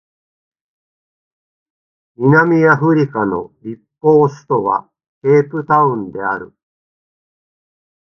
南アフリカの立法首都はケープタウンである